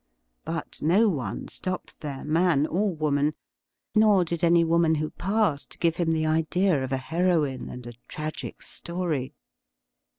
But no one stopped there, man or woman — nor did any woman who passed give him the idea of a heroine and a tragic story.